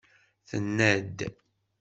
Tenna-d.